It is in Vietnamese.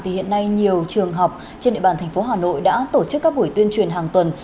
thì hiện nay nhiều trường học trên địa bàn thành phố hà nội đã tổ chức các buổi tuyên truyền hàng tuần